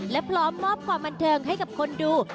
และพร้อมมอบความบันเทิงให้กับคนดู